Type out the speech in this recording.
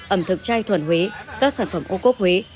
ẩm thực chay thuần huế các sản phẩm ô cốt huế